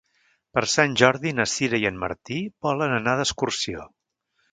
Per Sant Jordi na Sira i en Martí volen anar d'excursió.